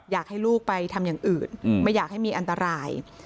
อยากให้ลูกไปทำอย่างอื่นไม่อยากให้มีอันตราย